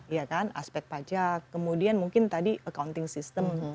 ya kan aspek pajak kemudian mungkin tadi accounting system